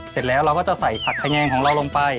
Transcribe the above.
เสร็จแล้วเราก็จะใส่ผักขยงของเราลงไป